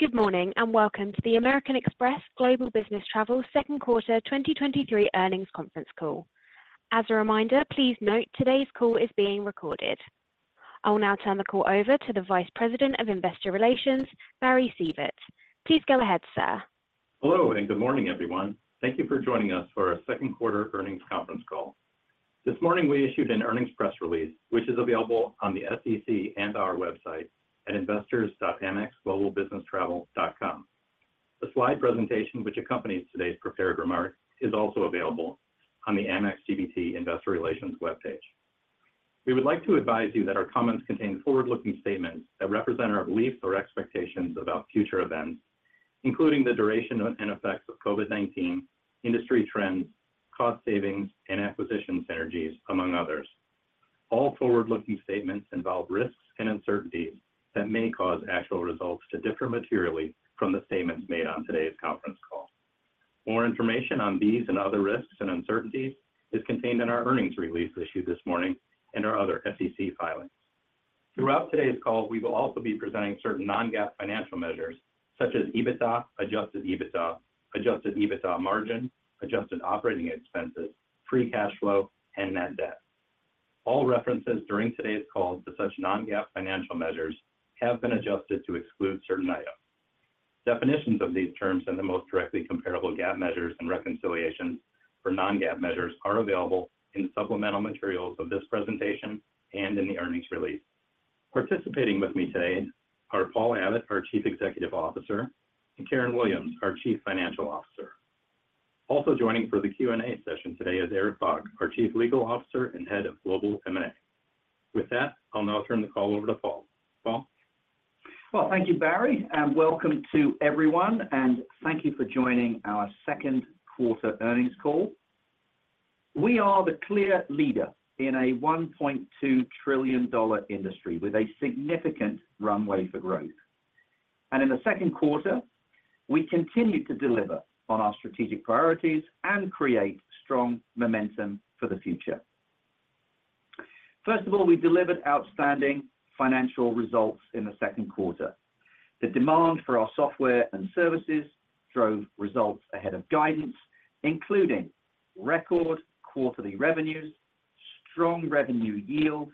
Good morning, and welcome to the American Express Global Business Travel second quarter 2023 earnings conference call. As a reminder, please note today's call is being recorded. I will now turn the call over to the Vice President of Investor Relations, Barry Sievert. Please go ahead, sir. Hello, good morning, everyone. Thank you for joining us for our second quarter earnings conference call. This morning, we issued an earnings press release, which is available on the SEC and our website at investors.amexglobalbusinesstravel.com. The slide presentation, which accompanies today's prepared remarks, is also available on the Amex GBT Investor Relations webpage. We would like to advise you that our comments contain forward-looking statements that represent our beliefs or expectations about future events, including the duration and effects of COVID-19, industry trends, cost savings, and acquisition synergies, among others. All forward-looking statements involve risks and uncertainties that may cause actual results to differ materially from the statements made on today's conference call. More information on these and other risks and uncertainties is contained in our earnings release issued this morning and our other SEC filings. Throughout today's call, we will also be presenting certain non-GAAP financial measures such as EBITDA, adjusted EBITDA, adjusted EBITDA margin, adjusted operating expenses, free cash flow, and net debt. All references during today's call to such non-GAAP financial measures have been adjusted to exclude certain items. Definitions of these terms and the most directly comparable GAAP measures and reconciliations for non-GAAP measures are available in supplemental materials of this presentation and in the earnings release. Participating with me today are Paul Abbott, our Chief Executive Officer, and Karen Williams, our Chief Financial Officer. Also joining for the Q&A session today is Eric Bock, our Chief Legal Officer and Head of Global M&A. With that, I'll now turn the call over to Paul. Paul? Well, thank you, Barry, welcome to everyone, and thank you for joining our second quarter earnings call. We are the clear leader in a $1.2 trillion industry with a significant runway for growth. In the second quarter, we continued to deliver on our strategic priorities and create strong momentum for the future. First of all, we delivered outstanding financial results in the second quarter. The demand for our software and services drove results ahead of guidance, including record quarterly revenues, strong revenue yield,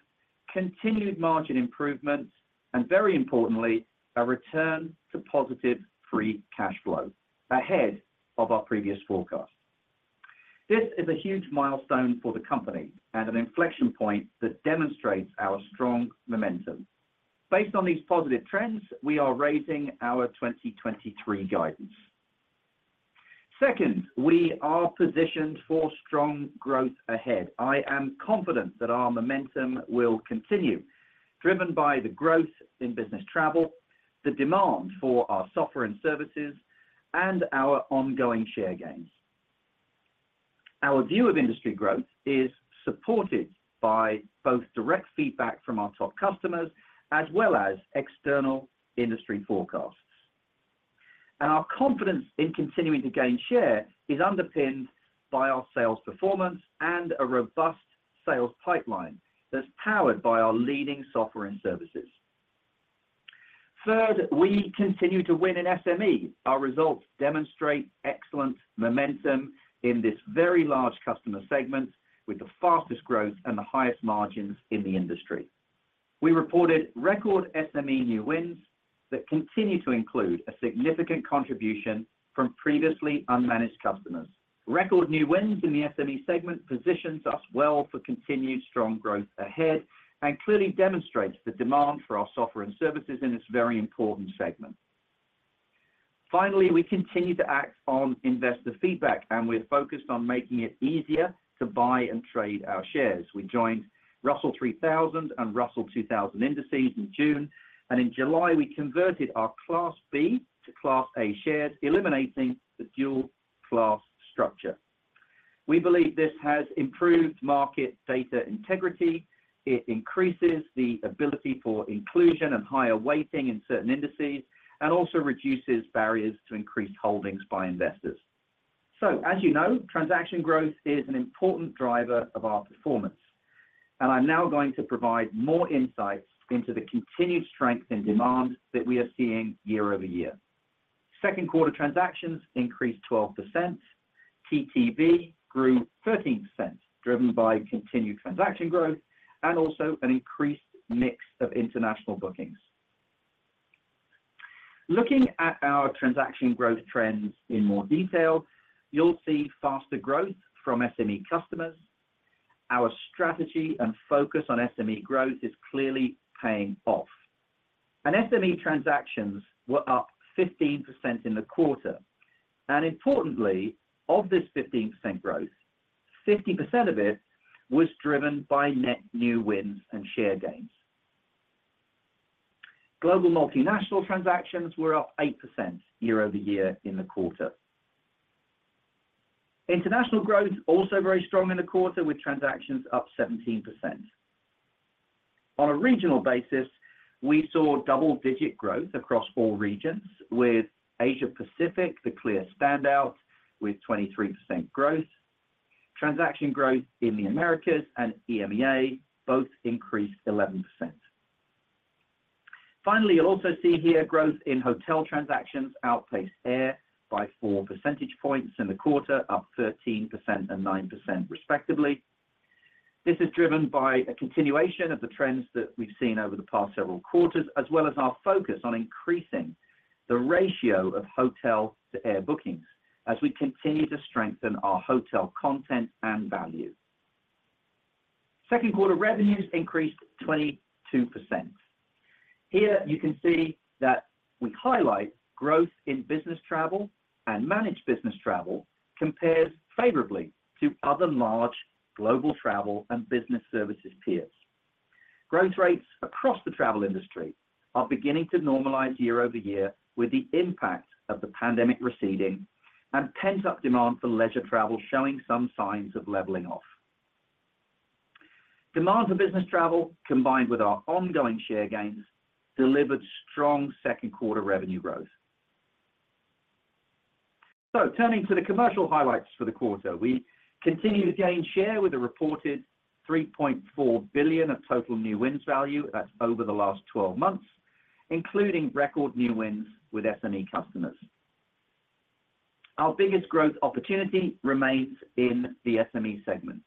continued margin improvements, and very importantly, a return to positive free cash flow ahead of our previous forecast. This is a huge milestone for the company and an inflection point that demonstrates our strong momentum. Based on these positive trends, we are raising our 2023 guidance. Second, we are positioned for strong growth ahead. I am confident that our momentum will continue, driven by the growth in business travel, the demand for our software and services, and our ongoing share gains. Our view of industry growth is supported by both direct feedback from our top customers as well as external industry forecasts. Our confidence in continuing to gain share is underpinned by our sales performance and a robust sales pipeline that's powered by our leading software and services. Third, we continue to win in SME. Our results demonstrate excellent momentum in this very large customer segment, with the fastest growth and the highest margins in the industry. We reported record SME new wins that continue to include a significant contribution from previously unmanaged customers. Record new wins in the SME segment positions us well for continued strong growth ahead and clearly demonstrates the demand for our software and services in this very important segment. We continue to act on investor feedback, and we're focused on making it easier to buy and trade our shares. We joined Russell 3000 and Russell 2000 indices in June, and in July, we converted our Class B to Class A shares, eliminating the dual-class structure. We believe this has improved market data integrity. It increases the ability for inclusion and higher weighting in certain indices, and also reduces barriers to increased holdings by investors. As you know, transaction growth is an important driver of our performance, and I'm now going to provide more insights into the continued strength and demand that we are seeing year-over-year. Second quarter transactions increased 12%. TTB grew 13%, driven by continued transaction growth and also an increased mix of international bookings. Looking at our transaction growth trends in more detail, you'll see faster growth from SME customers. Our strategy and focus on SME growth is clearly paying off, and SME transactions were up 15% in the quarter, and importantly, of this 15% growth, 50% of it was driven by net new wins and share gains. Global multinational transactions were up 8% year-over-year in the quarter. International growth also very strong in the quarter, with transactions up 17%. On a regional basis, we saw double-digit growth across all regions, with Asia Pacific the clear standout with 23% growth. Transaction growth in the Americas and EMEA both increased 11%. Finally, you'll also see here growth in hotel transactions outpaced air by four percentage points in the quarter, up 13% and 9% respectively. This is driven by a continuation of the trends that we've seen over the past several quarters, as well as our focus on increasing the ratio of hotel to air bookings as we continue to strengthen our hotel content and value. Second quarter revenues increased 22%. Here, you can see that we highlight growth in business travel and managed business travel compares favorably to other large global travel and business services peers. Growth rates across the travel industry are beginning to normalize year-over-year, with the impact of the pandemic receding and pent-up demand for leisure travel showing some signs of leveling off. Demand for business travel, combined with our ongoing share gains, delivered strong second quarter revenue growth. Turning to the commercial highlights for the quarter, we continue to gain share with a reported $3.4 billion of total new wins value, that's over the last 12 months, including record new wins with SME customers. Our biggest growth opportunity remains in the SME segment.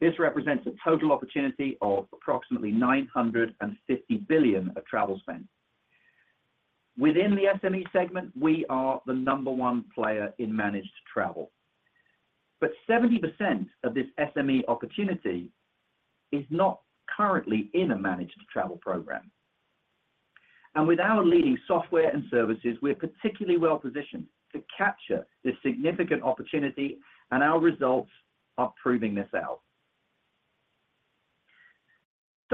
This represents a total opportunity of approximately $950 billion of travel spend. Within the SME segment, we are the number one player in managed travel. Seventy percent of this SME opportunity is not currently in a managed travel program. With our leading software and services, we're particularly well positioned to capture this significant opportunity, and our results are proving this out.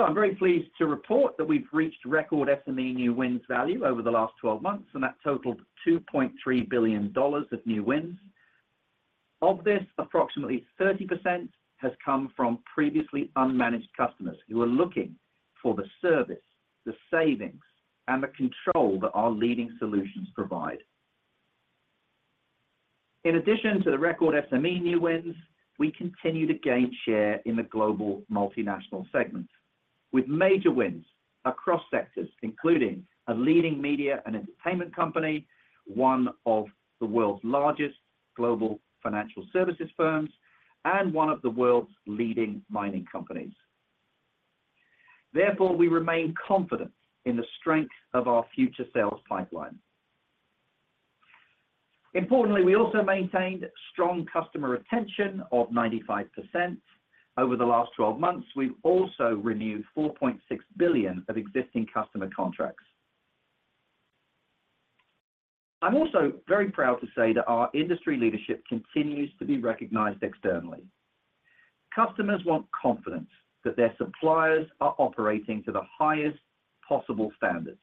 I'm very pleased to report that we've reached record SME new wins value over the last 12 months, and that totaled $2.3 billion of new wins. Of this, approximately 30% has come from previously unmanaged customers who are looking for the service, the savings, and the control that our leading solutions provide. In addition to the record SME new wins, we continue to gain share in the global multinational segment, with major wins across sectors, including a leading media and entertainment company, one of the world's largest global financial services firms, and one of the world's leading mining companies. Therefore, we remain confident in the strength of our future sales pipeline. Importantly, we also maintained strong customer retention of 95%. Over the last 12 months, we've also renewed $4.6 billion of existing customer contracts. I'm also very proud to say that our industry leadership continues to be recognized externally. Customers want confidence that their suppliers are operating to the highest possible standards,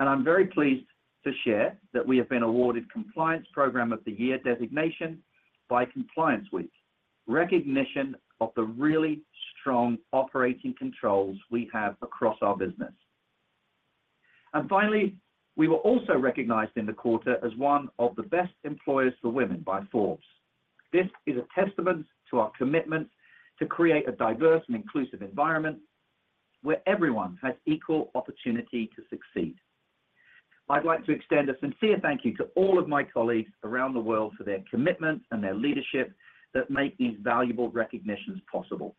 and I'm very pleased to share that we have been awarded Compliance Program of the Year designation by Compliance Week, recognition of the really strong operating controls we have across our business. Finally, we were also recognized in the quarter as one of the best employers for women by Forbes. This is a testament to our commitment to create a diverse and inclusive environment where everyone has equal opportunity to succeed. I'd like to extend a sincere thank you to all of my colleagues around the world for their commitment and their leadership that make these valuable recognitions possible.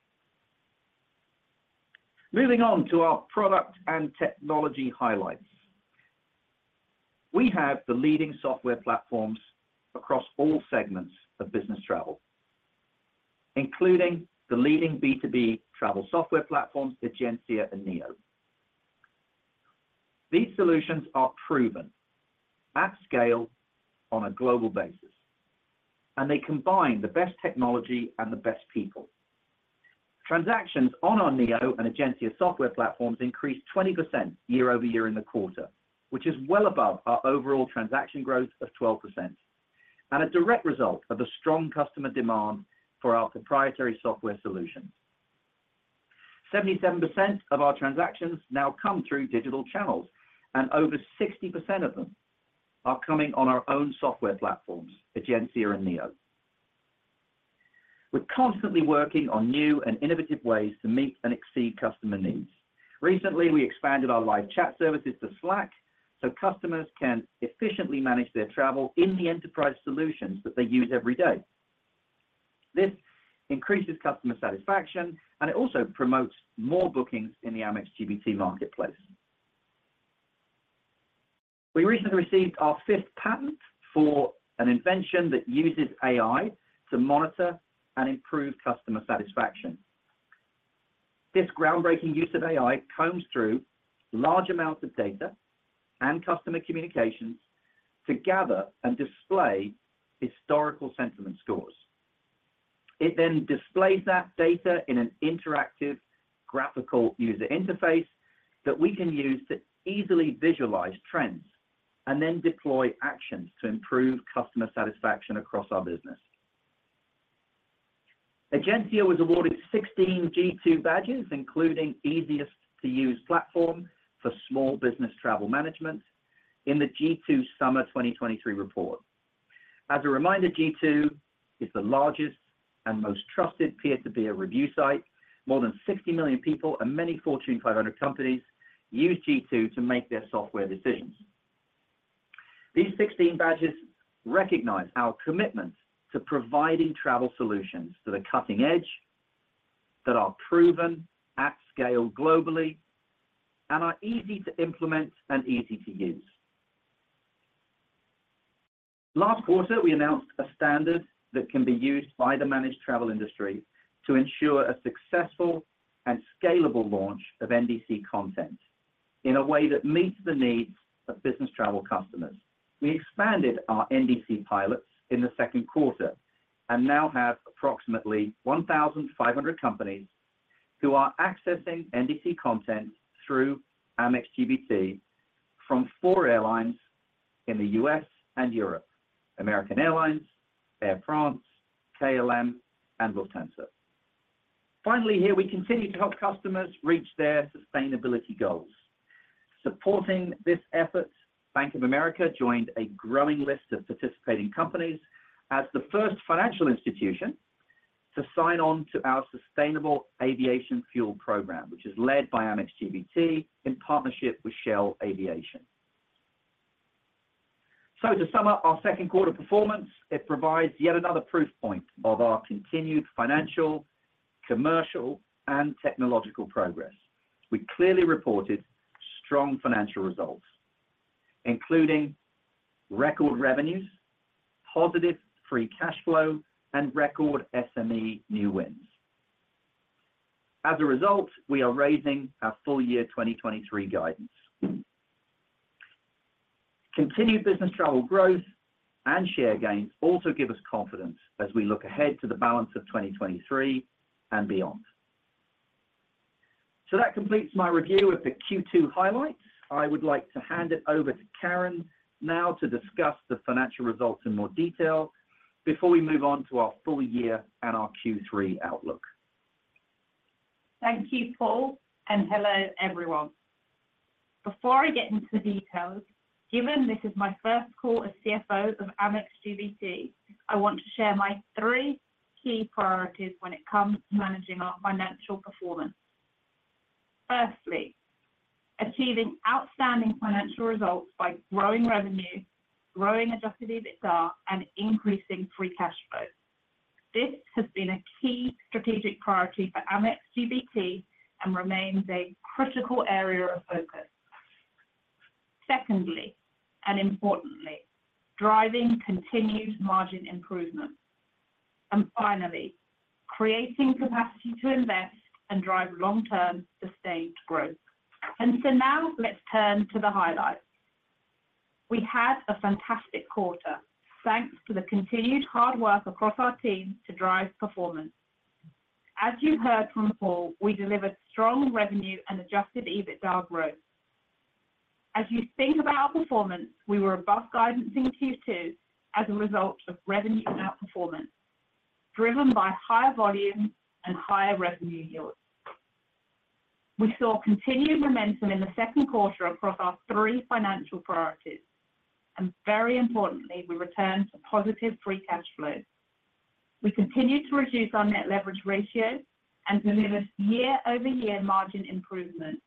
Moving on to our product and technology highlights. We have the leading software platforms across all segments of business travel, including the leading B2B travel software platforms, Egencia and Neo. These solutions are proven at scale on a global basis. They combine the best technology and the best people. Transactions on our Neo and Egencia software platforms increased 20% year-over-year in the quarter, which is well above our overall transaction growth of 12%. A direct result of the strong customer demand for our proprietary software solutions. 77% of our transactions now come through digital channels. Over 60% of them are coming on our own software platforms, Egencia and Neo. We're constantly working on new and innovative ways to meet and exceed customer needs. Recently, we expanded our live chat services to Slack, so customers can efficiently manage their travel in the enterprise solutions that they use every day. This increases customer satisfaction. It also promotes more bookings in the Amex GBT marketplace. We recently received our fifth patent for an invention that uses AI to monitor and improve customer satisfaction. This groundbreaking use of AI combs through large amounts of data and customer communications to gather and display historical sentiment scores. It then displays that data in an interactive graphical user interface that we can use to easily visualize trends and then deploy actions to improve customer satisfaction across our business. Egencia was awarded 16 G2 badges, including easiest to use platform for small business travel management in the G2 Summer 2023 report. As a reminder, G2 is the largest and most trusted peer-to-peer review site. More than 60 million people and many Fortune 500 companies use G2 to make their software decisions. These 16 badges recognize our commitment to providing travel solutions that are cutting edge, that are proven at scale globally, and are easy to implement and easy to use. Last quarter, we announced a standard that can be used by the managed travel industry to ensure a successful and scalable launch of NDC content in a way that meets the needs of business travel customers. We expanded our NDC pilots in the second quarter and now have approximately 1,500 companies who are accessing NDC content through Amex GBT from four airlines in the U.S. and Europe: American Airlines, Air France, KLM, and Lufthansa. Finally, here we continue to help customers reach their sustainability goals. Supporting this effort, Bank of America joined a growing list of participating companies as the first financial institution to sign on to our Sustainable Aviation Fuel program, which is led by Amex GBT in partnership with Shell Aviation. To sum up our second quarter performance, it provides yet another proof point of our continued financial, commercial, and technological progress. We clearly reported strong financial results, including record revenues, positive free cash flow, and record SME new wins. As a result, we are raising our full year 2023 guidance. Continued business travel growth and share gains also give us confidence as we look ahead to the balance of 2023 and beyond. That completes my review of the Q2 highlights.I would like to hand it over to Karen now to discuss the financial results in more detail before we move on to our full year and our Q3 outlook. Thank you, Paul. Hello, everyone. Before I get into the details, given this is my first call as CFO of Amex GBT, I want to share my three key priorities when it comes to managing our financial performance. Firstly, achieving outstanding financial results by growing revenue, growing adjusted EBITDA, and increasing free cash flow. This has been a key strategic priority for Amex GBT and remains a critical area of focus. Secondly, and importantly, driving continued margin improvement, and finally, creating capacity to invest and drive long-term, sustained growth. Now let's turn to the highlights. We had a fantastic quarter, thanks to the continued hard work across our team to drive performance. As you heard from Paul, we delivered strong revenue and adjusted EBITDA growth. As you think about our performance, we were above guidance in Q2 as a result of revenue outperformance, driven by higher volume and higher revenue yields. We saw continued momentum in the second quarter across our three financial priorities, and very importantly, we returned to positive free cash flow. We continued to reduce our net leverage ratio and delivered year-over-year margin improvement,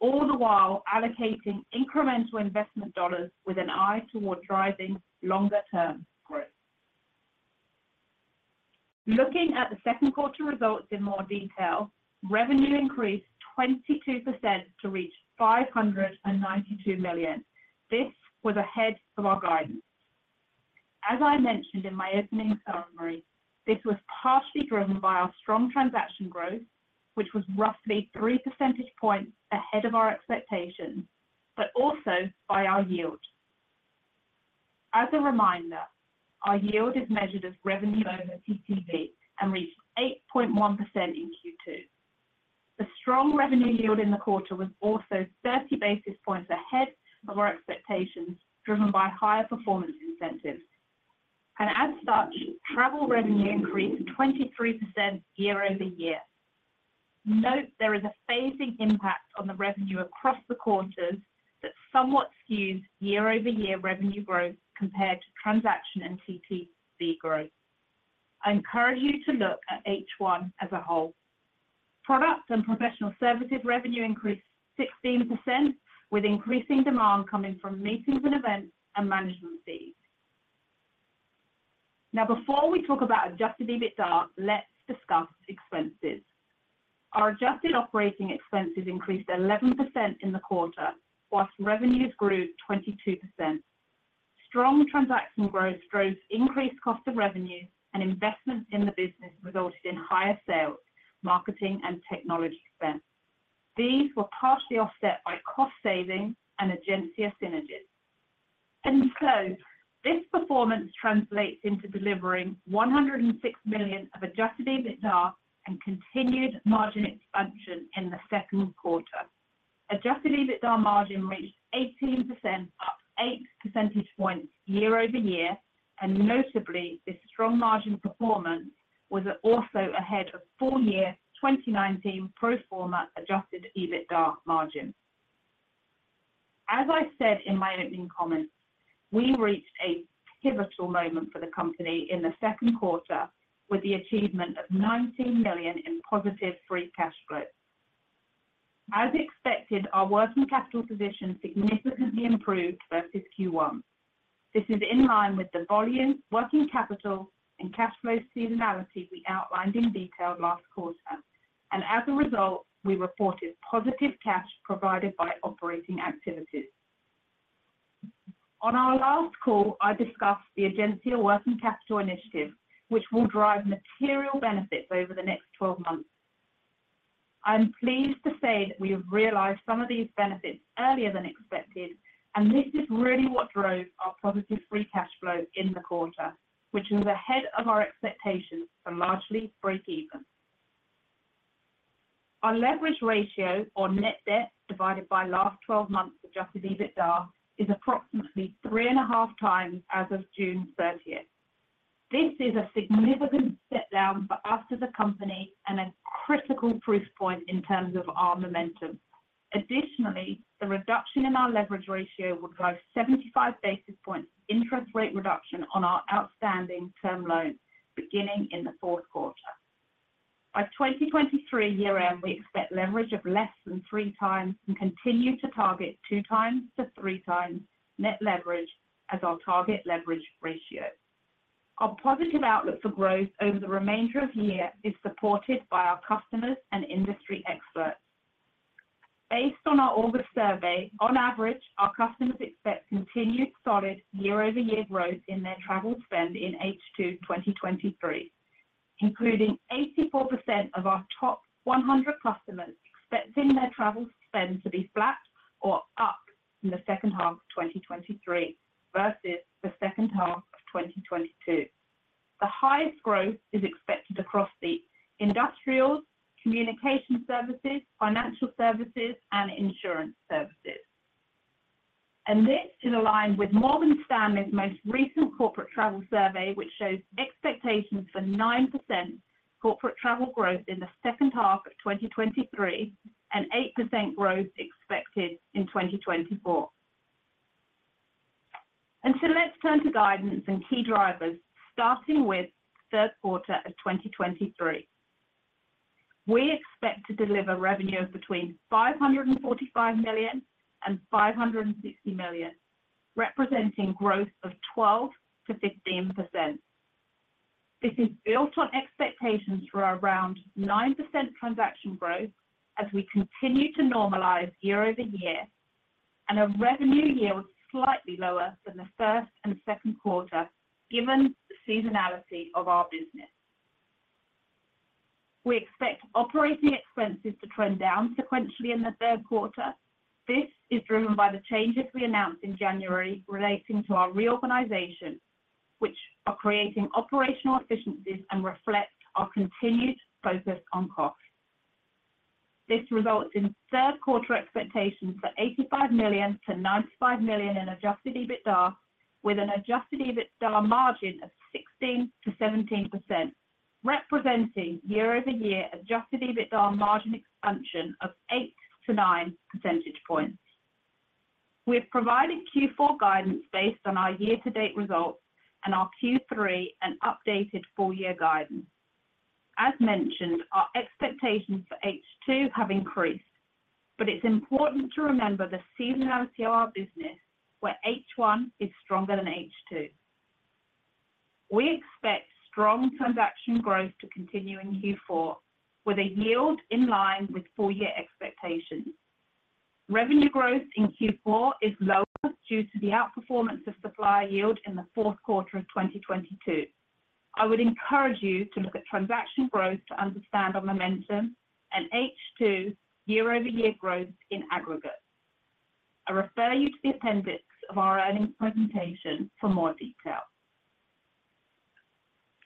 all the while allocating incremental investment dollars with an eye toward driving longer term growth. Looking at the second quarter results in more detail, revenue increased 22% to reach $592 million. This was ahead of our guidance. As I mentioned in my opening summary, this was partly driven by our strong transaction growth, which was roughly three percentage points ahead of our expectations, but also by our yield. As a reminder, our yield is measured as revenue over TTV and reached 8.1% in Q2. The strong revenue yield in the quarter was also 30 basis points ahead of our expectations, driven by higher performance incentives, and as such, travel revenue increased 23% year-over-year. Note, there is a phasing impact on the revenue across the quarters that somewhat skews year-over-year revenue growth compared to transaction and TTV growth. I encourage you to look at H1 as a whole. Products and professional services revenue increased 16%, with increasing demand coming from meetings and events and management fees. Now, before we talk about adjusted EBITDA, let's discuss expenses. Our adjusted operating expenses increased 11% in the quarter, whilst revenues grew 22%. Strong transaction growth drove increased cost of revenue, and investments in the business resulted in higher sales, marketing, and technology expense. These were partially offset by cost savings and Egencia synergies. So this performance translates into delivering $106 million of adjusted EBITDA and continued margin expansion in the second quarter. adjusted EBITDA margin reached 18%, up eight percentage points year-over-year. Notably, this strong margin performance was also ahead of full year 2019 pro forma adjusted EBITDA margin. As I said in my opening comments, we reached a pivotal moment for the company in the second quarter with the achievement of $90 million in positive free cash flow. As expected, our working capital position significantly improved versus Q1. This is in line with the volume, working capital, and cash flow seasonality we outlined in detail last quarter. As a result, we reported positive cash provided by operating activities. On our last call, I discussed the Egencia working capital initiative, which will drive material benefits over the next 12 months. I'm pleased to say that we have realized some of these benefits earlier than expected. This is really what drove our positive free cash flow in the quarter, which was ahead of our expectations for largely breakeven. Our leverage ratio or net debt, divided by last 12 months adjusted EBITDA, is approximately 3.5 times as of June 30th. This is a significant step down for us as a company and a critical proof point in terms of our momentum. Additionally, the reduction in our leverage ratio will drive 75 basis points interest rate reduction on our outstanding term loans beginning in the 4th quarter. By 2023 year-end, we expect leverage of less than three times and continue to target two times to three times net leverage as our target leverage ratio. Our positive outlook for growth over the remainder of the year is supported by our customers and industry experts. Based on our August survey, on average, our customers expect continued solid year-over-year growth in their travel spend in H2 2023, including 84% of our top 100 customers expecting their travel spend to be flat or up in the second half of 2023 versus the second half of 2022. The highest growth is expected across the industrials, communication services, financial services, and insurance services. This is aligned with Morgan Stanley's most recent corporate travel survey, which shows expectations for 9% corporate travel growth in the second half of 2023 and 8% growth expected in 2024. Let's turn to guidance and key drivers, starting with third quarter of 2023. We expect to deliver revenues between $545 million and $560 million, representing growth of 12%-15%. This is built on expectations for around 9% transaction growth as we continue to normalize year-over-year, and a revenue yield slightly lower than the first and second quarter, given the seasonality of our business. We expect operating expenses to trend down sequentially in the third quarter. This is driven by the changes we announced in January relating to our reorganization, which are creating operational efficiencies and reflect our continued focus on costs. This results in third quarter expectations for $85 million-$95 million in adjusted EBITDA, with an adjusted EBITDA margin of 16%-17%, representing year-over-year adjusted EBITDA margin expansion of 8-9 percentage points. We've provided Q4 guidance based on our year-to-date results and our Q3 and updated full-year guidance. As mentioned, our expectations for H2 have increased, but it's important to remember the seasonality of our business, where H1 is stronger than H2. We expect strong transaction growth to continue in Q4, with a yield in line with full-year expectations. Revenue growth in Q4 is lower due to the outperformance of supplier yield in the fourth quarter of 2022. I would encourage you to look at transaction growth to understand our momentum and H2 year-over-year growth in aggregate. I refer you to the appendix of our earnings presentation for more detail.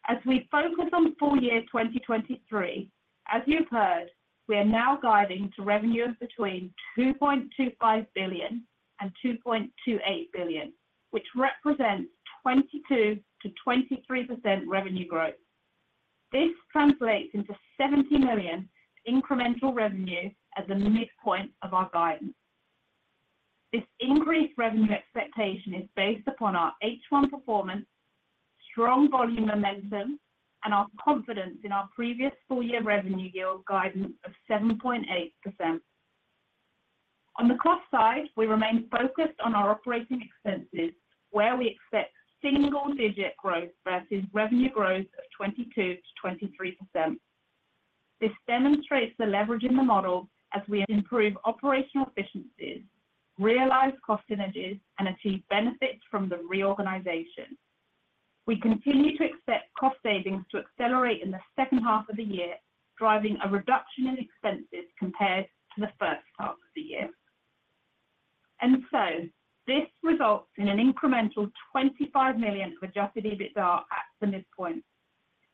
As we focus on full year 2023, as you've heard, we are now guiding to revenues between $2.25 billion and $2.28 billion, which represents 22%-23% revenue growth. This translates into $70 million incremental revenue at the midpoint of our guidance. This increased revenue expectation is based upon our H1 performance, strong volume momentum, and our confidence in our previous full year revenue yield guidance of 7.8%. On the cost side, we remain focused on our operating expenses, where we expect single-digit growth versus revenue growth of 22%-23%. This demonstrates the leverage in the model as we improve operational efficiencies, realize cost synergies, and achieve benefits from the reorganization. We continue to expect cost savings to accelerate in the second half of the year, driving a reduction in expenses compared to the first half of the year. This results in an incremental $25 million of adjusted EBITDA at the midpoint.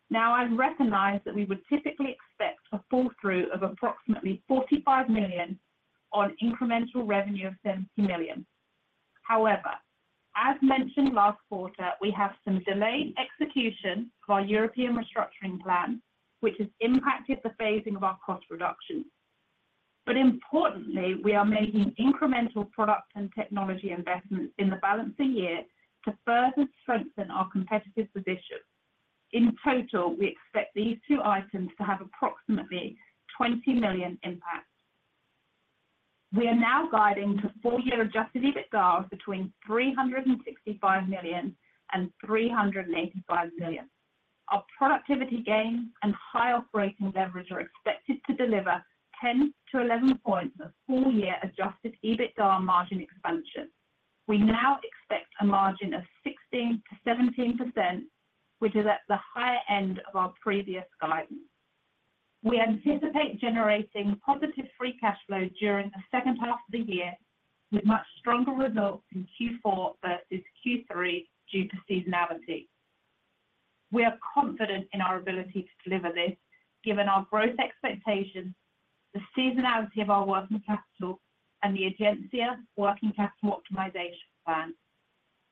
Now, I recognize that we would typically expect a fall-through of approximately $45 million on incremental revenue of $70 million. However, as mentioned last quarter, we have some delayed execution of our European restructuring plan, which has impacted the phasing of our cost reductions. Importantly, we are making incremental product and technology investments in the balancing year to further strengthen our competitive position. In total, we expect these two items to have approximately $20 million impact. We are now guiding to full year adjusted EBITDA between $365 million and $385 million. Our productivity gains and high operating leverage are expected to deliver 10-11 points of full year adjusted EBITDA margin expansion. We now expect a margin of 16%-17%, which is at the higher end of our previous guidance. We anticipate generating positive free cash flow during the second half of the year, with much stronger results in Q4 versus Q3 due to seasonality. We are confident in our ability to deliver this, given our growth expectations, the seasonality of our working capital, and the Egencia working capital optimization plan,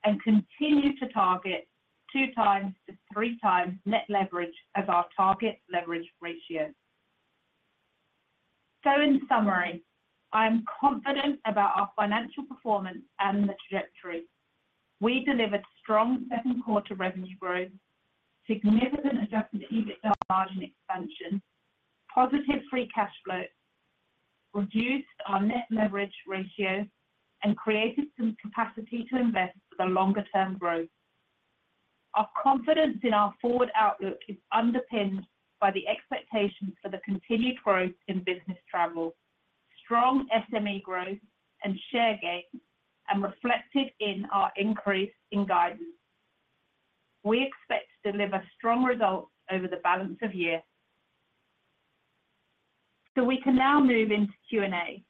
and continue to target 2x-3x net leverage as our target leverage ratio. In summary, I am confident about our financial performance and the trajectory. We delivered strong second quarter revenue growth, significant adjusted EBITDA margin expansion, positive free cash flow, reduced our net leverage ratio, and created some capacity to invest for the longer term growth. Our confidence in our forward outlook is underpinned by the expectation for the continued growth in business travel, strong SME growth and share gains, and reflected in our increase in guidance. We expect to deliver strong results over the balance of year. We can now move into Q&A.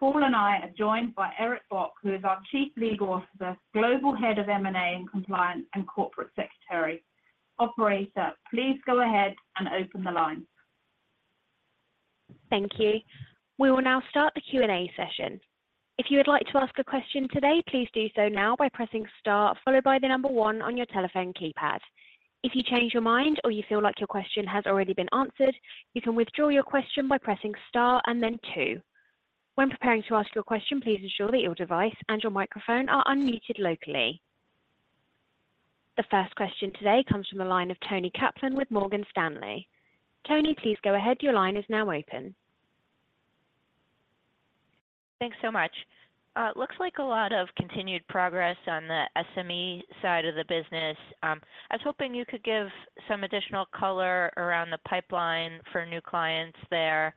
Paul and I are joined by Eric Bock, who is our Chief Legal Officer, Global Head of M&A and Compliance, and Corporate Secretary. Operator, please go ahead and open the line. Thank you. We will now start the Q&A session. If you would like to ask a question today, please do so now by pressing star, followed by one on your telephone keypad. If you change your mind or you feel like your question has already been answered, you can withdraw your question by pressing star and then two. When preparing to ask your question, please ensure that your device and your microphone are unmuted locally. The first question today comes from the line of Toni Kaplan with Morgan Stanley. Toni, please go ahead. Your line is now open. Thanks so much. It looks like a lot of continued progress on the SME side of the business. I was hoping you could give some additional color around the pipeline for new clients there.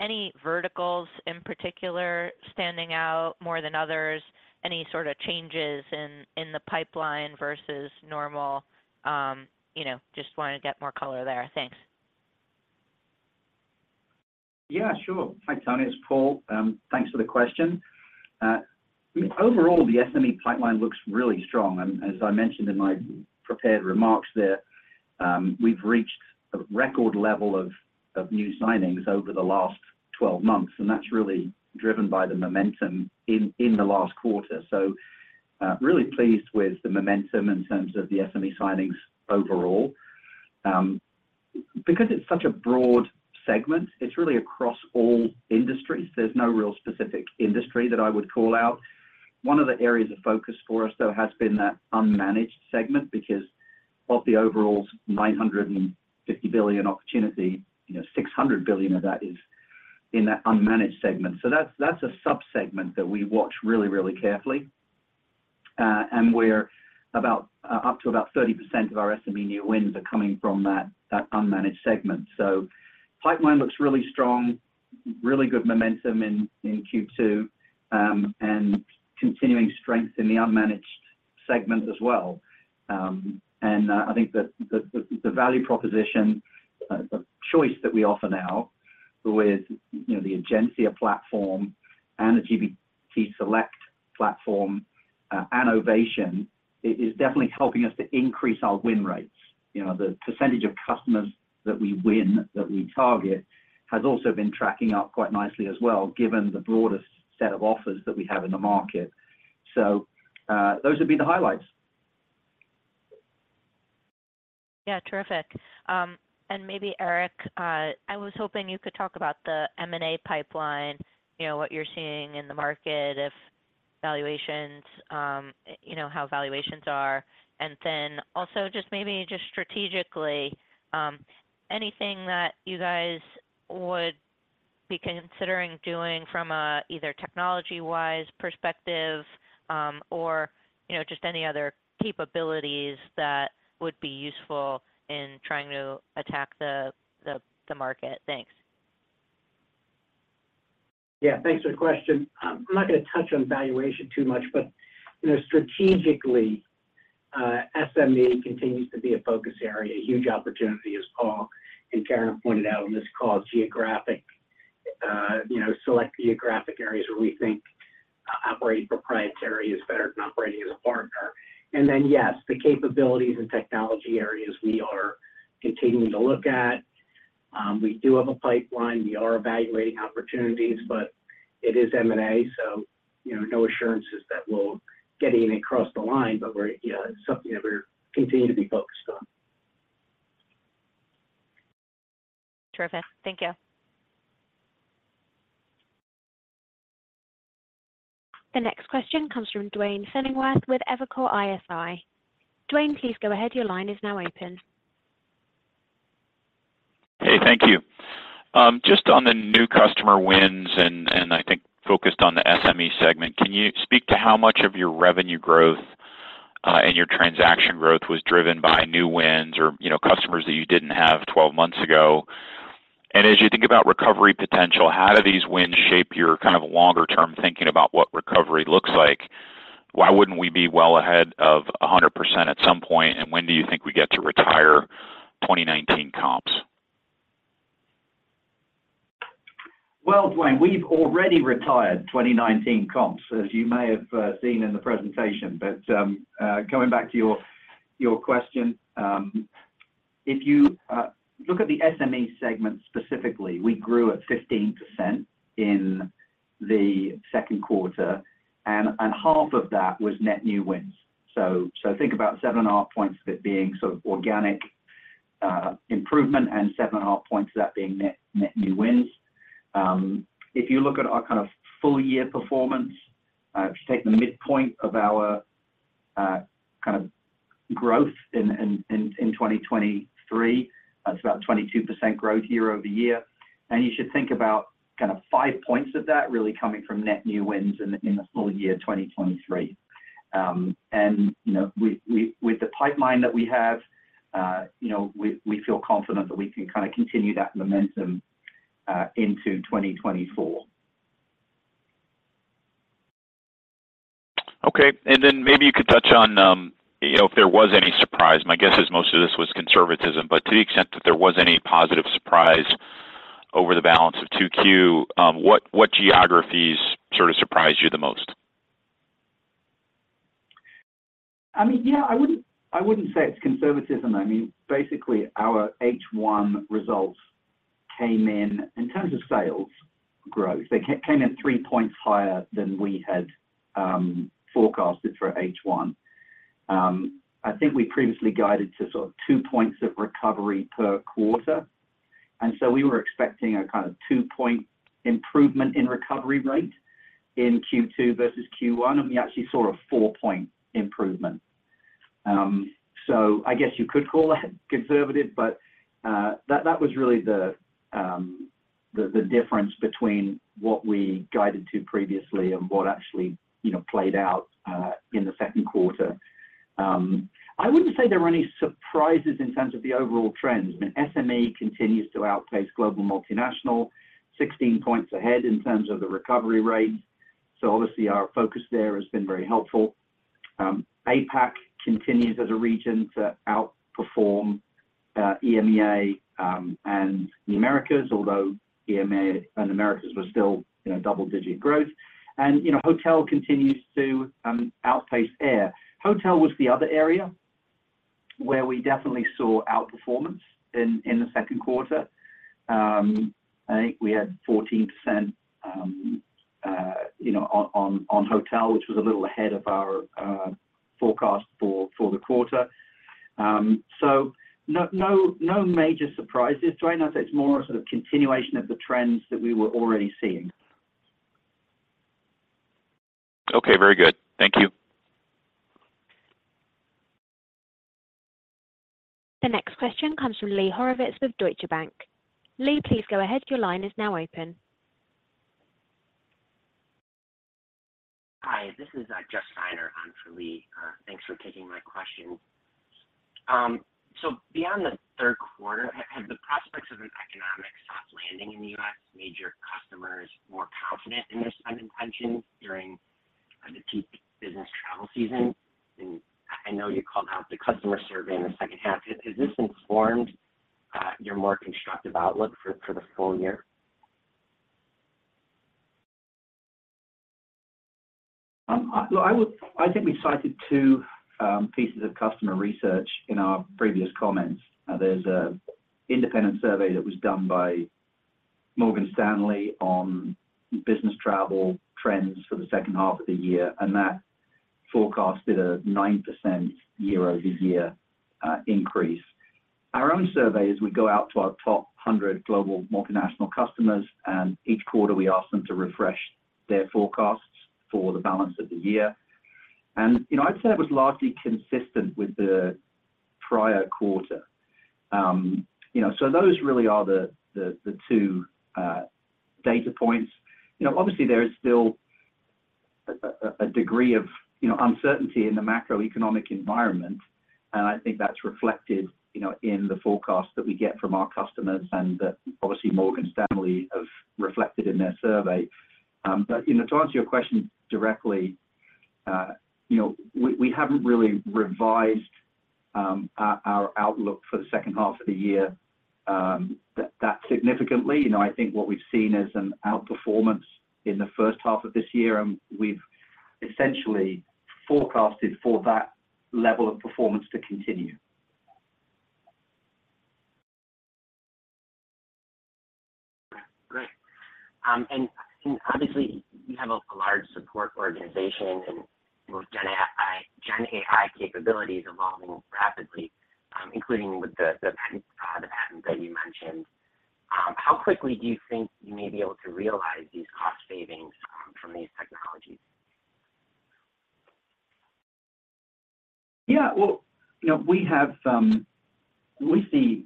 Any verticals in particular standing out more than others? Any sort of changes in, in the pipeline versus normal? You know, just wanted to get more color there. Thanks. Yeah, sure. Hi, Toni, it's Paul. Thanks for the question. Overall, the SME pipeline looks really strong. As I mentioned in my prepared remarks there, we've reached a record level of, of new signings over the last 12 months, and that's really driven by the momentum in, in the last quarter. Really pleased with the momentum in terms of the SME signings overall. Because it's such a broad segment, it's really across all industries. There's no real specific industry that I would call out. One of the areas of focus for us, though, has been that unmanaged segment, because of the overall $950 billion opportunity, you know, $600 billion of that is in that unmanaged segment. That's, that's a subsegment that we watch really, really carefully. We're about, up to about 30% of our SME new wins are coming from that, that unmanaged segment. Pipeline looks really strong, really good momentum in, in Q2, and continuing strength in the unmanaged segment as well. And I think that the, the, the value proposition, the choice that we offer now with, you know, the Egencia platform and the GBT Select platform, and Ovation, is definitely helping us to increase our win rates. You know, the percentage of customers that we win, that we target, has also been tracking up quite nicely as well, given the broadest set of offers that we have in the market. Those would be the highlights. Yeah, terrific. Maybe Eric, I was hoping you could talk about the M&A pipeline, you know, what you're seeing in the market, if valuations, you know, how valuations are, and then also just maybe just strategically, anything that you guys would be considering doing from a either technology-wise perspective, or, you know, just any other capabilities that would be useful in trying to attack the, the, the market? Thanks. Yeah, thanks for the question. I'm not going to touch on valuation too much, but, you know, strategically, SME continues to be a focus area, a huge opportunity, as Paul and Karen pointed out in this call, geographic, you know, select geographic areas where we think operating proprietary is better than operating as a partner. Yes, the capabilities and technology areas we are continuing to look at, we do have a pipeline. We are evaluating opportunities, but it is M&A, so, you know, no assurances that we'll get any across the line, but we're, yeah, it's something that we're continuing to be focused on. Terrific. Thank you. The next question comes from Duane Pfennigwerth with Evercore ISI. Duane, please go ahead. Your line is now open. Hey, thank you. just on the new customer wins, and I think focused on the SME segment, can you speak to how much of your revenue growth, and your transaction growth was driven by new wins or, you know, customers that you didn't have 12 months ago? As you think about recovery potential, how do these wins shape your kind of longer-term thinking about what recovery looks like? Why wouldn't we be well ahead of 100% at some point, and when do you think we get to retire 2019 comps? Well, Duane, we've already retired 2019 comps, as you may have seen in the presentation. Going back to your, your question, if you look at the SME segment specifically, we grew at 15% in the 2Q, and half of that was net new wins. Think about 7.5 points of it being sort of organic improvement, and 7.5 points of that being net, net new wins. If you look at our kind of full year performance, if you take the midpoint of our kind of growth in, in, in, in 2023, that's about 22% growth year-over-year, and you should think about kind of five points of that really coming from net new wins in the, in the full year, 2023. You know, with, with, with the pipeline that we have, you know, we, we feel confident that we can kind of continue that momentum into 2024. Okay, maybe you could touch on, you know, if there was any surprise. My guess is most of this was conservatism, but to the extent that there was any positive surprise over the balance of 2Q, what, what geographies sort of surprised you the most? I mean, yeah, I wouldn't, I wouldn't say it's conservatism. I mean, basically, our H1 results came in. In terms of sales growth, they came in three points higher than we had forecasted for H1. I think we previously guided to sort of two points of recovery per quarter, so we were expecting a kind of two-point improvement in recovery rate in Q2 versus Q1. We actually saw a four-point improvement. So I guess you could call that conservative, but that, that was really the, the difference between what we guided to previously and what actually, you know, played out in the second quarter. I wouldn't say there were any surprises in terms of the overall trends. I mean, SME continues to outpace global multinational, 16 points ahead in terms of the recovery rate, so obviously, our focus there has been very helpful. APAC continues as a region to outperform EMEA and the Americas, although EMEA and Americas were still, you know, double-digit growth. You know, hotel continues to outpace air. Hotel was the other area where we definitely saw outperformance in the second quarter. I think we had 14%, you know, on, on, on hotel, which was a little ahead of our forecast for the quarter. So no, no, no major surprises, Duane. I'd say it's more a sort of continuation of the trends that we were already seeing. Okay, very good. Thank you. The next question comes from Lee Horowitz with Deutsche Bank. Lee, please go ahead. Your line is now open. Hi, this is Jeff Steiner on for Lee. Thanks for taking my question. So beyond the third quarter, have the prospects of an economic soft landing in the US made your customers more confident in their spending intentions during the peak business travel season? I know you called out the customer survey in the second half. Has this informed your more constructive outlook for the full year? I, I would-- I think we cited two pieces of customer research in our previous comments. There's a independent survey that was done by Morgan Stanley on business travel trends for the second half of the year, and that forecasted a 9% year-over-year increase. Our own survey is we go out to our top 100 global multinational customers, and each quarter we ask them to refresh their forecasts for the balance of the year. You know, I'd say that was largely consistent with the prior quarter. You know, so those really are the, the, the two data points. You know, obviously, there is still a, a, a degree of, you know, uncertainty in the macroeconomic environment. I think that's reflected, you know, in the forecast that we get from our customers, and that obviously, Morgan Stanley have reflected in their survey. You know, to answer your question directly, you know, we, we haven't really revised our outlook for the second half of the year that significantly. You know, I think what we've seen is an outperformance in the first half of this year, and we've essentially forecasted for that level of performance to continue. Great. And obviously, you have a large support organization and with Gen AI capabilities evolving rapidly, including with the patents that you mentioned. How quickly do you think you may be able to realize these cost savings from these technologies? Yeah, well, you know, we have. We see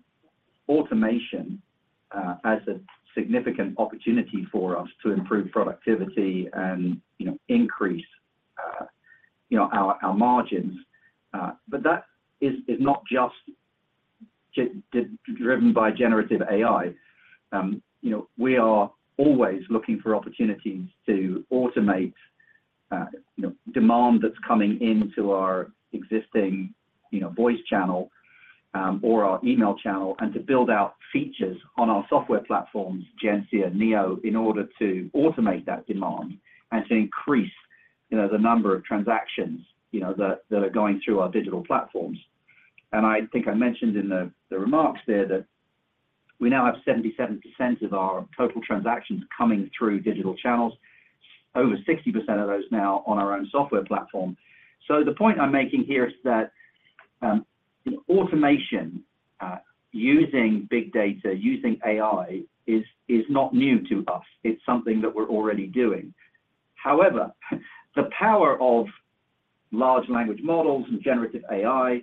automation as a significant opportunity for us to improve productivity and, you know, increase, you know, our, our margins. But that is not just driven by generative AI. You know, we are always looking for opportunities to automate, you know, demand that's coming into our existing, you know, voice channel, or our email channel, and to build out features on our software platforms, Egencia and Neo, in order to automate that demand and to increase, you know, the number of transactions, you know, that, that are going through our digital platforms. I think I mentioned in the remarks there that we now have 77% of our total transactions coming through digital channels, over 60% of those now on our own software platform. The point I'm making here is that automation, using big data, using AI, is, is not new to us. It's something that we're already doing. However, the power of large language models and Generative AI,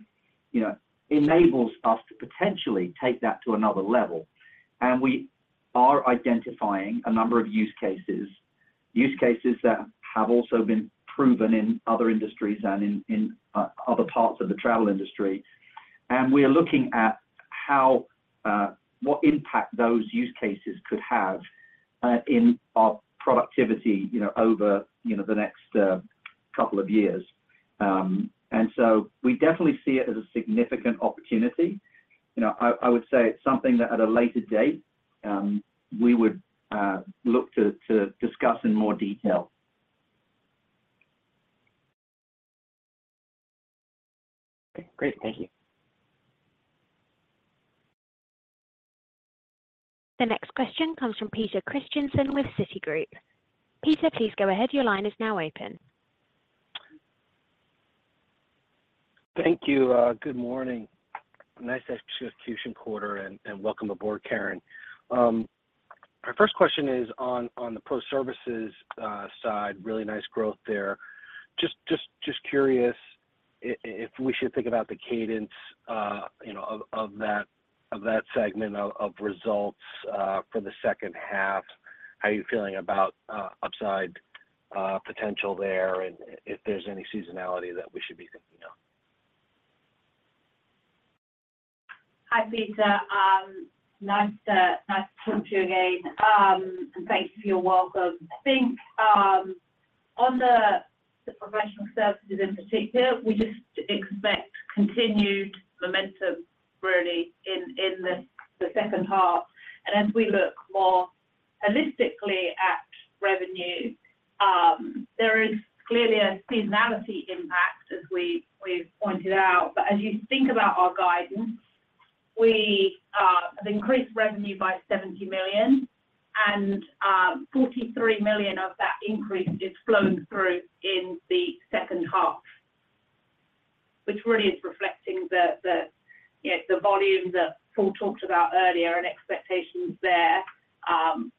you know, enables us to potentially take that to another level, we are identifying a number of use cases, use cases that have also been proven in other industries and in, in other parts of the travel industry. We are looking at how what impact those use cases could have in our productivity, you know, over, you know, the next couple of years. We definitely see it as a significant opportunity. You know, I, I would say it's something that at a later date, we would look to discuss in more detail. Great. Thank you. The next question comes from Peter Christiansen with Citigroup. Peter, please go ahead. Your line is now open. Thank you. Good morning. Nice execution quarter, and welcome aboard, Karen. My first question is on the pro services side. Really nice growth there. Just curious if we should think about the cadence, you know, of that segment of results, for the second half. How are you feeling about upside potential there, and if there's any seasonality that we should be thinking of? Hi, Peter. Nice to, nice to talk to you again, and thanks for your welcome. I think on the professional services in particular, we just expect continued momentum really in the second half. As we look more holistically at revenue, there is clearly a seasonality impact as we've, we've pointed out. As you think about our guidance, we have increased revenue by $70 million, and $43 million of that increase is flown through in the second half, which really is reflecting the, yeah, the volume that Paul talked about earlier and expectations there,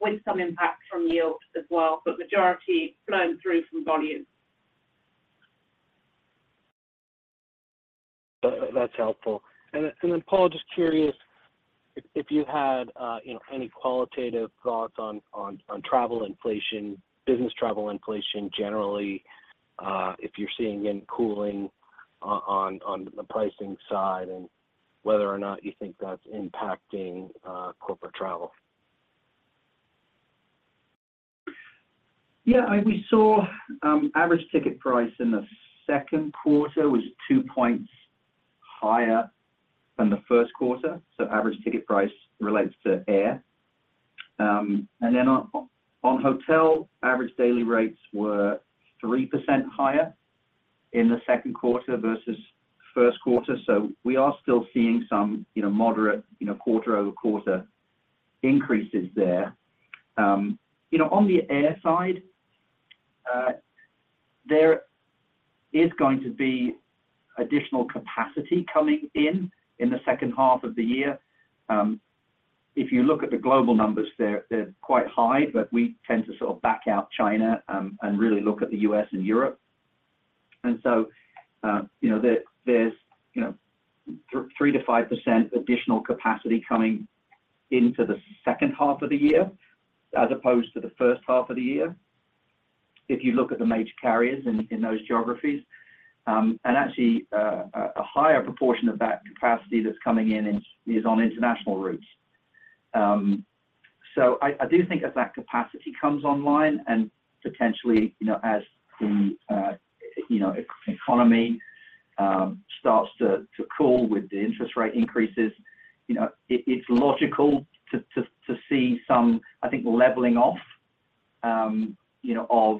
with some impact from yields as well, but majority flown through from volume. That's helpful. Paul, just curious if you had, you know, any qualitative thoughts on travel inflation, business travel inflation, generally, if you're seeing any cooling on the pricing side and whether or not you think that's impacting corporate travel? Yeah. We saw, average ticket price in the second quarter was two points higher than the first quarter, so average ticket price relates to air. Then on, on hotel, average daily rates were 3% higher in the second quarter versus first quarter. We are still seeing some, you know, moderate, you know, quarter-over-quarter increases there. You know, on the air side, there is going to be additional capacity coming in in the second half of the year. If you look at the global numbers, they're, they're quite high, but we tend to sort of back out China, and really look at the US and Europe. You know, there's, you know, 3%-5% additional capacity coming into the second half of the year as opposed to the first half of the year. If you look at the major carriers in those geographies, actually, a higher proportion of that capacity that's coming in, is on international routes. I, I do think as that capacity comes online and potentially, you know, as the, you know, economy, starts to cool with the interest rate increases, you know, it, it's logical to see some, I think, leveling off, you know, of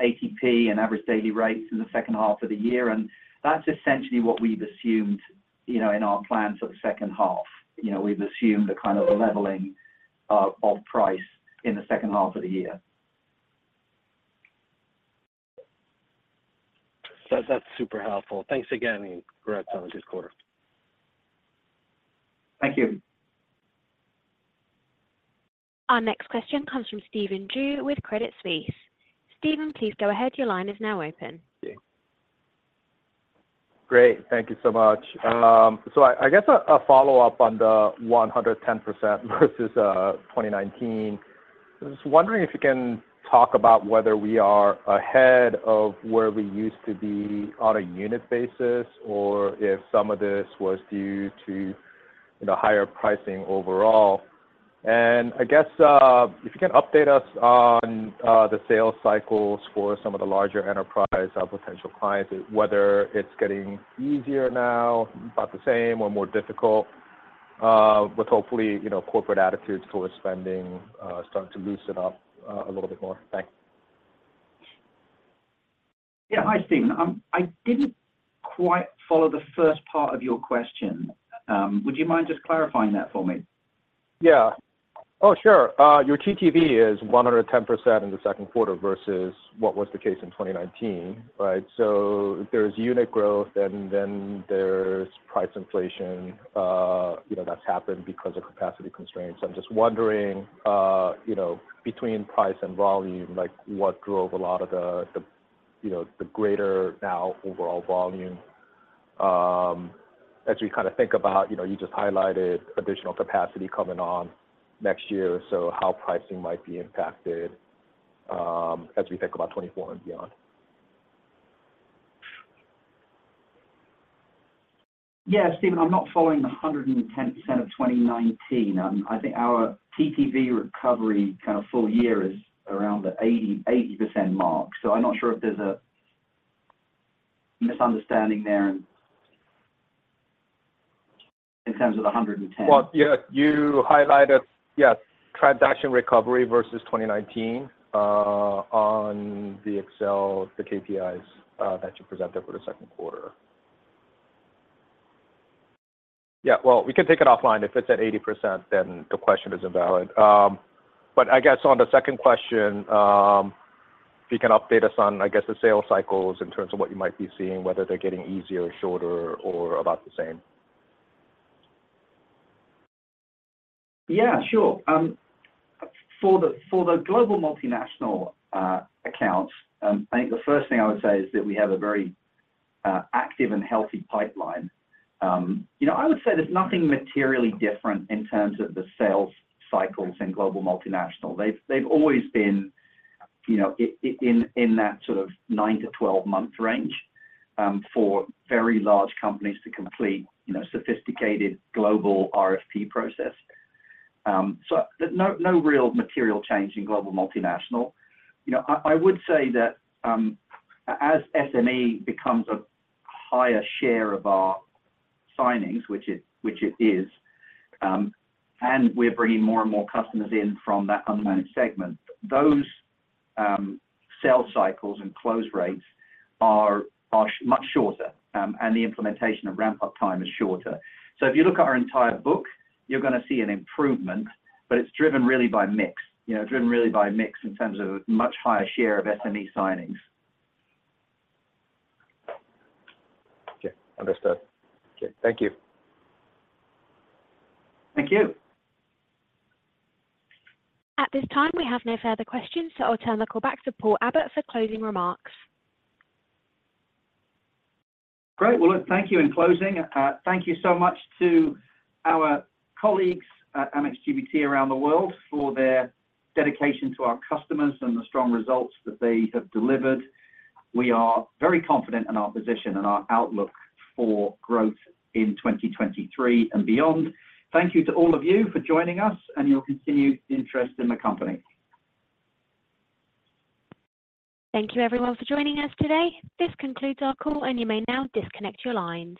ATP and average daily rates in the second half of the year, and that's essentially what we've assumed, you know, in our plans for the second half. You know, we've assumed a kind of a leveling of price in the second half of the year. That's super helpful. Thanks again, and congrats on this quarter. Thank you. Our next question comes from Stephen Ju with Credit Suisse. Steven, please go ahead. Your line is now open. Great. Thank you so much. So I, I guess a, a follow-up on the 110% versus 2019. I was wondering if you can talk about whether we are ahead of where we used to be on a unit basis, or if some of this was due to, you know, higher pricing overall. And I guess, if you can update us on the sales cycles for some of the larger enterprise, our potential clients, whether it's getting easier now, about the same or more difficult, with hopefully, you know, corporate attitudes towards spending, starting to loosen up a little bit more. Thanks. Hi, Stephen. I didn't quite follow the first part of your question. Would you mind just clarifying that for me? Yeah. Oh, sure. your TTV is 110% in the second quarter versus what was the case in 2019, right? There's unit growth, and then there's price inflation, you know, that's happened because of capacity constraints. I'm just wondering, you know, between price and volume, like, what drove a lot of the, the, you know, the greater now overall volume, as we kinda think about. You know, you just highlighted additional capacity coming on next year, so how pricing might be impacted, as we think about 2024 and beyond? Yeah, Steven, I'm not following the 110% of 2019. I think our TTV recovery, kind of, full year is around the 80, 80% mark. So I'm not sure if there's a misunderstanding there in, in terms of the 110. Well, yeah, you highlighted, yeah, transaction recovery versus 2019, on the Excel, the KPIs, that you presented for the second quarter. Yeah, well, we can take it offline. If it's at 80%, then the question is invalid. I guess on the second question, if you can update us on, I guess, the sales cycles in terms of what you might be seeing, whether they're getting easier, shorter, or about the same. Yeah, sure. For the, for the global multinational accounts, I think the first thing I would say is that we have a very active and healthy pipeline. You know, I would say there's nothing materially different in terms of the sales cycles in global multinational. They've, they've always been, you know, in that sort of 9-12 month range for very large companies to complete, you know, sophisticated global RFP process. So there's no real material change in global multinational. You know, I, I would say that as SME becomes a higher share of our signings, which it, which it is, and we're bringing more and more customers in from that unmanaged segment, those sales cycles and close rates are much shorter, and the implementation of ramp-up time is shorter. If you look at our entire book, you're going to see an improvement, but it's driven really by mix, you know, driven really by mix in terms of much higher share of SME signings. Okay, understood. Okay, thank you. Thank you. At this time, we have no further questions, so I'll turn the call back to Paul Abbott for closing remarks. Great. Well, look, thank you. In closing, thank you so much to our colleagues at Amex GBT around the world for their dedication to our customers and the strong results that they have delivered. We are very confident in our position and our outlook for growth in 2023 and beyond. Thank you to all of you for joining us and your continued interest in the company. Thank you, everyone, for joining us today. This concludes our call, and you may now disconnect your lines.